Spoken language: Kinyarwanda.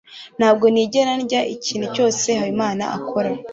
ntabwo nigera ndya ikintu cyose habimana akora